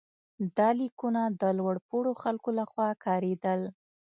دا لیکونه د لوړ پوړو خلکو لخوا کارېدل.